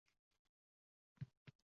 O`zi-ku, hamma erkak bir go`r